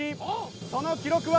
その記録は。